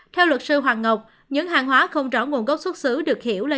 theo luật sư hoàng ngọc những hàng hóa không rõ nguồn gốc xuất xứ được hiểu là